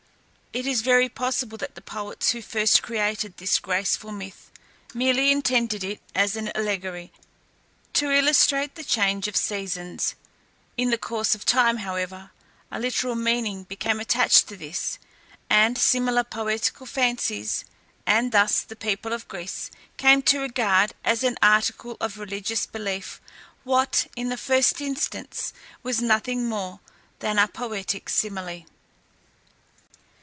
It is very possible that the poets who first created this graceful myth merely intended it as an allegory to illustrate the change of seasons; in the course of time, however, a literal meaning became attached to this and similar poetical fancies, and thus the people of Greece came to regard as an article of religious belief what, in the first instance, was nothing more than a poetic simile.